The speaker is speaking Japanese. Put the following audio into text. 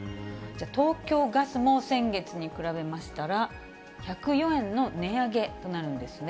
東京ガスも先月に比べましたら１０４円の値上げとなるんですね。